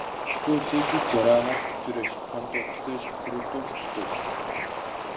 خۇسۇسىيىتى جاراھەت پۈتتۈرۈش، قان توختىتىش، قۇرۇتۇش، تۇتۇش.